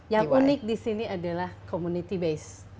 yang unik di sini adalah community base